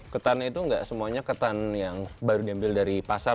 ketan itu nggak semuanya ketan yang baru diambil dari pasar